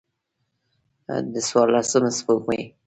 د څوارلسم سپوږمۍ